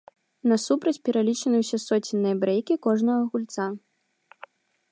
Насупраць пералічаны ўсе соценныя брэйкі кожнага гульца.